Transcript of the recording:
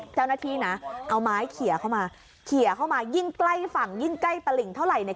เจ้าหน้าที่นะเอาไม้เขียเข้ามาเขียเข้ามายิ่งใกล้ฝั่งยิ่งใกล้ตลิ่งเท่าไหร่เนี่ย